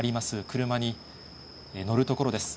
車に乗るところです。